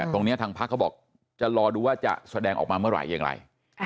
ตรงนี้ทางพักเขาบอกจะรอดูว่าจะแสดงออกมาเมื่อไหร่อย่างไร